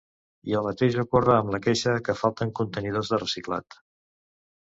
I el mateix ocorre amb la queixa que falten contenidors de reciclat.